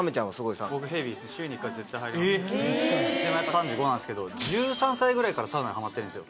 ３５なんですけど１３歳ぐらいからサウナはまってるんですよ。